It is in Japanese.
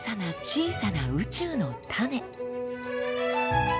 小さな宇宙の種。